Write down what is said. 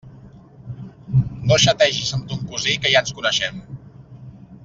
No xategis amb ton cosí, que ja ens coneixem!